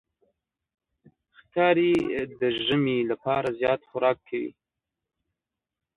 ښکاري د ژمي لپاره زیات خوراک کوي.